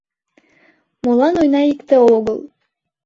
Молан ойна икте огыл?